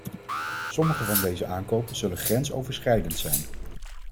Sommige van deze aankopen zullen grensoverschrijdend zijn.